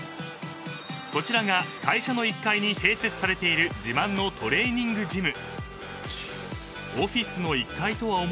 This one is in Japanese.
［こちらが会社の１階に併設されている自慢のトレーニングジム］